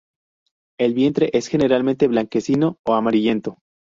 El vientre, es generalmente blanquecino o amarillento.